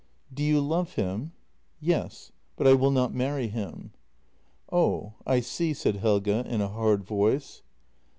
" Do you love him? "" Yes, but I will not marry him." " Oh, I see," said Helge, in a hard voice.